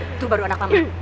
itu baru anak mama